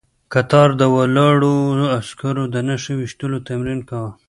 کتار ولاړو عسکرو د نښې ويشتلو تمرين کاوه.